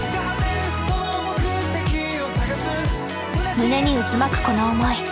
胸に渦巻くこの思い。